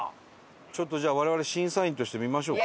ちょっとじゃあ我々審査員として見ましょうか。